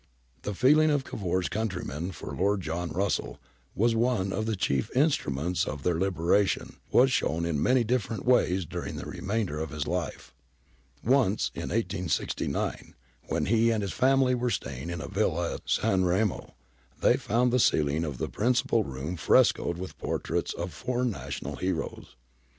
^ The feeling of Cavour's countrymen for Lord John Russell, as one of the chief instruments in their libera tion, was shown in many different ways during the re mainder of his life. Once, in 1869, when he and his family were staying in a villa at San Remo, they found the celling of the principal room frescoed with portraits of four national heroes.